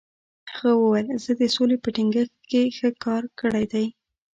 هغه وویل، زه د سولې په ټینګښت کې ښه کار کړی دی.